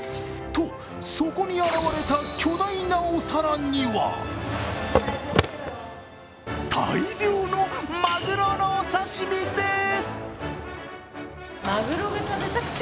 そこに現れた巨大なお皿には大量のまぐろのお刺身です。